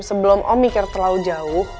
sebelum om mikir terlalu jauh